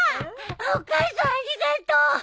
お母さんありがとう！